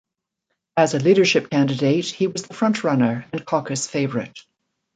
As a leadership candidate, he was the front-runner and caucus favourite.